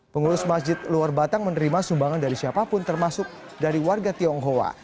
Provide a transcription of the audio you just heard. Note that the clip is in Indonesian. pengurus masjid luar batang menerima sumbangan dari siapapun termasuk dari warga tionghoa